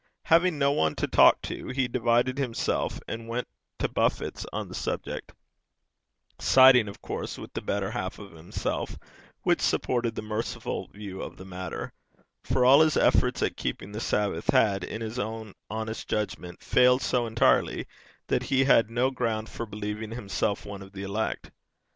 Having no one to talk to, he divided himself and went to buffets on the subject, siding, of course, with the better half of himself which supported the merciful view of the matter; for all his efforts at keeping the Sabbath, had in his own honest judgment failed so entirely, that he had no ground for believing himself one of the elect.